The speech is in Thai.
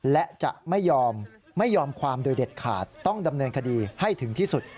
และจะไม่ยอมไม่ยอมความโดยเด็ดขาดต้องดำเนินคดีให้ถึงที่สุด